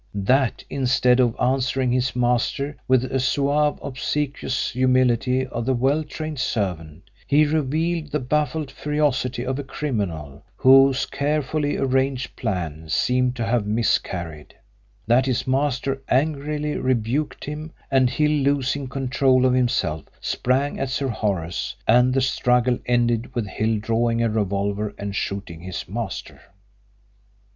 That, instead of answering his master with the suave obsequious humility of the well trained servant, he revealed the baffled ferocity of a criminal whose carefully arranged plan seemed to have miscarried; that his master angrily rebuked him, and Hill, losing control of himself, sprang at Sir Horace, and the struggle ended with Hill drawing a revolver and shooting his master?